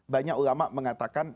banyak ulama mengatakan